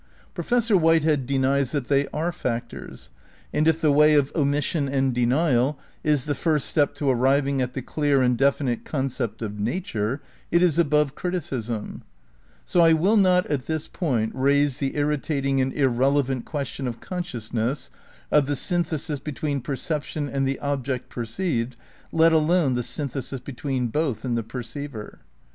Professor ^Enqmry, p. 183. 'Below, pp. 261 267. 92 THE NEW IDEALISM m Whitehead denies that they are factors, and if the way of omission and denial is the first step to arriving at the clear and definite concept of nature, it is above criti cism. So I will not at this point, raise the irritating and irrelevant question of consciousness, of the syn thesis between perception and the object perceived, let alone the synthesis between both and the perceiver.